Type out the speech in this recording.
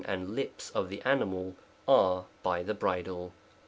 and lips of the animal are by the bridle.